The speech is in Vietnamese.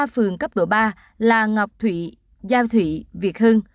ba phường cấp độ ba là ngọc thụy giao thụy việt hưng